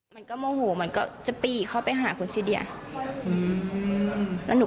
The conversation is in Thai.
มันก็โมโหมันก็จะปีเขาไปหาคนชื่อเดียอืมแล้วหนู